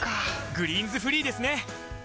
「グリーンズフリー」ですね！